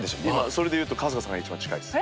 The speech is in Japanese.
それでいうと春日さんが一番近いです。